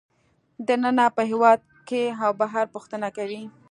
دننه په هېواد کې او بهر پوښتنه کوي